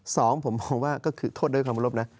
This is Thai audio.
สองผมมองว่าก็คือโทษโดยความรบนะ